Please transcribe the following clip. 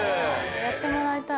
やってもらいたい。